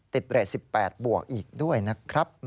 เรท๑๘บวกอีกด้วยนะครับ